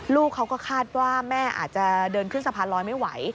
ลูกเขาก็คาดว่าแม่อาจจะเดินขึ้นสะพานลอยไม่ไหว